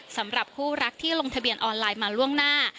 สำหรับคู่รักที่ลงทะเบียนออนไลน์มาล่วงหน้า